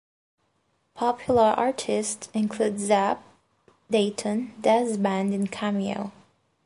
Popular artists include Zapp, Dayton, Dazz Band and Cameo.